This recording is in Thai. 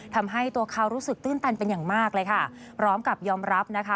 ทำให้ตัวเขารู้สึกตื้นตันเป็นอย่างมากเลยค่ะพร้อมกับยอมรับนะคะ